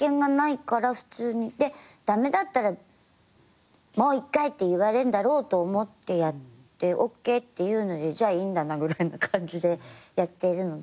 駄目だったら「もう一回」って言われんだろうと思ってやって「ＯＫ」って言うのでじゃあいいんだなぐらいな感じでやってるので。